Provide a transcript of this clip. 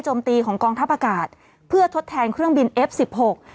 มตีของกองทัพอากาศเพื่อทดแทนเครื่องบินเอฟสิบหก